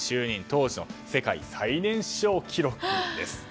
当時の世界最年少記録です。